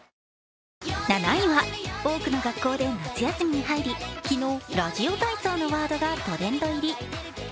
７位は多くの学校で夏休みに入り昨日、ラジオ体操のワードがトレンド入り。